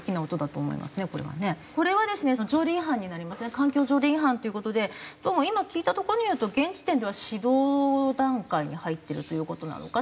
環境条例違反っていう事でどうも今聞いたところによると現時点では指導段階に入ってるという事なのかな。